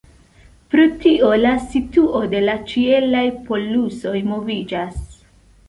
Pro tio la situo de la ĉielaj polusoj moviĝas.